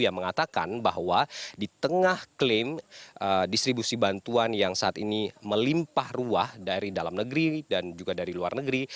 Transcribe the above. yang mengatakan bahwa di tengah klaim distribusi bantuan yang saat ini melimpah ruah dari dalam negeri dan juga dari luar negeri